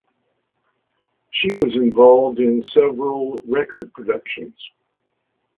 She was involved in several record productions.